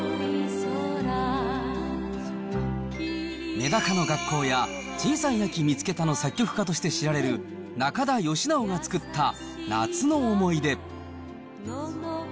めだかの学校や、小さい秋見つけたの作曲家として知られる中田喜直が作った夏の思い出。